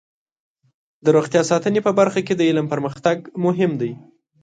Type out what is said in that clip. د روغتیا ساتنې په برخه کې د علم پرمختګ مهم دی.